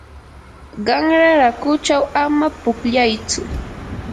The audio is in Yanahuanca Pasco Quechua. qanra yakuchaw ama pukllaytsu.